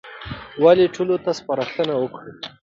والي ټولو ته سپارښتنه وکړه.